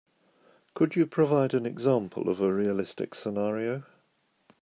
Could you provide an example of a realistic scenario?